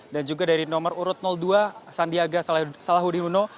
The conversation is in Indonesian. dan juga dari nomor urut dua sandiaga salahuddin uno